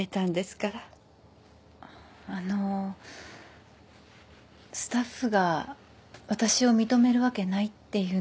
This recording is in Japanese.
あっあのスタッフがわたしを認めるわけないっていうのは。